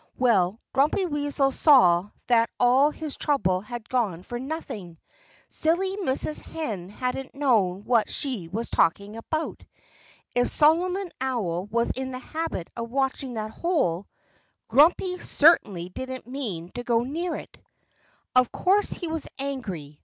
Well, Grumpy Weasel saw that all his trouble had gone for nothing. Silly Mrs. Hen hadn't known what she was talking about. If Solomon Owl was in the habit of watching that hole Grumpy certainly didn't mean to go near it. Of course he was angry.